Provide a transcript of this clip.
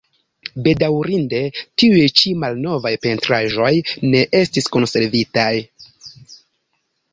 Bedaŭrinde tiuj ĉi malnovaj pentraĵoj ne estis konservitaj.